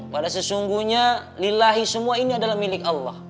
pada sesungguhnya lillahi semua ini adalah milik allah